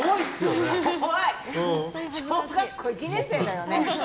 小学校１年生だよね。